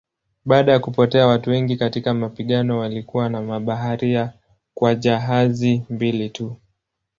Baada ya kupotea watu wengi katika mapigano walikuwa na mabaharia kwa jahazi mbili tu.